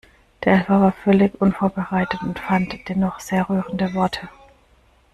Der Helfer war völlig unvorbereitet und fand dennoch sehr rührende Worte.